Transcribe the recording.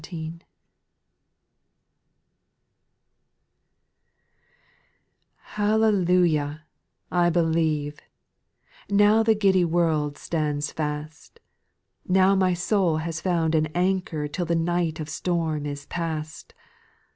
TJALLELUJAHI I believe I XI Now the giddy world stands fast, Now my soul has found an anchor Till the night of storm is past.